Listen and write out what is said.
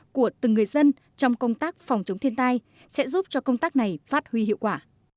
của từng người dân trong công tác phòng chống thiên tai sẽ giúp cho công tác này phát huy hiệu quả